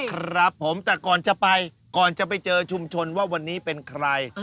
ครับผมแต่ก่อนจะไปก่อนจะไปเจอชุมชนว่าวันนี้เป็นใคร